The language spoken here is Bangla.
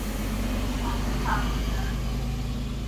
আপনি পাগল, স্যার!